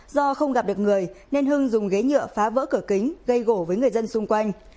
do không gặp được người nên hưng dùng ghế nhựa phá vỡ cửa kính gây gổ với người dân xung quanh